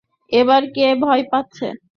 এইবার কে ভয় পাচ্ছে?